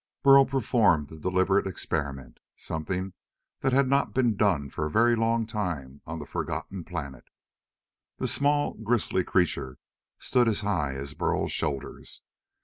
Burl performed a deliberate experiment something that had not been done for a very long time on the forgotten planet. The small, grisly creature stood as high as Burl's shoulders.